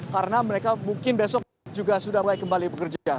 karena mereka mungkin besok juga sudah kembali bekerja